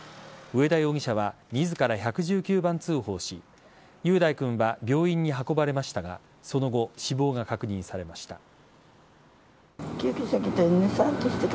上田容疑者は自ら１１９番通報し雄大君は病院に運ばれましたがその後、死亡が確認されました。